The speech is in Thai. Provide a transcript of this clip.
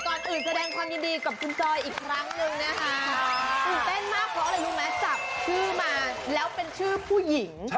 ตื่นเต้นมากเพราะแหละรู้มั้ยจับชื่อมาแล้วเป็นชื่อผู้หญิง